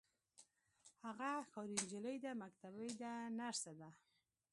هغه ښاري نجلۍ ده مکتبۍ ده نرسه ده.